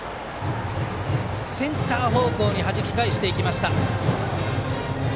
センター方向にはじき返していきました。